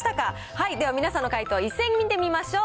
はい、では皆さんの解答一斉に見てみましょう。